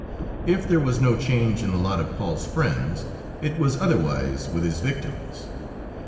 If there was no change in the lot of Paul's friends, it was otherwise with his victims.